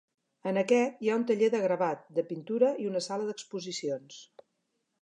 En aquest, hi ha un taller de gravat, de pintura i una sala d’exposicions.